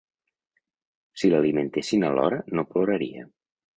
Si l'alimentessin a l'hora no ploraria.